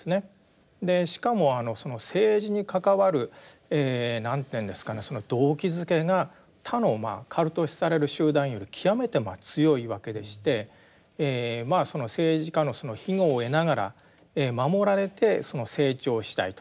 しかもその政治に関わる何ていうんですかね動機づけが他のカルト視される集団より極めて強いわけでしてその政治家の庇護を得ながら守られて成長したいと。